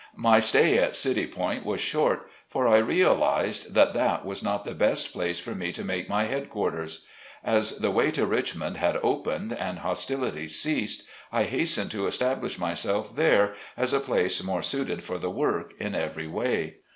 My stay at City Point was short, for I realized that that was not the best place for me to make my head quarters. As the way to Richmond had opened and hostilities ceased, I hastened to establish myself there as a place more suited for the work, in every way.